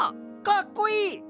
かっこいい！